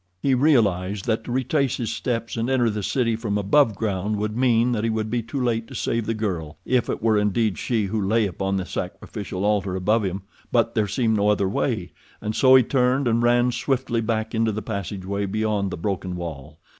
He realized that to retrace his steps and enter the city from above ground would mean that he would be too late to save the girl, if it were indeed she who lay upon the sacrificial altar above him. But there seemed no other way, and so he turned and ran swiftly back into the passageway beyond the broken wall.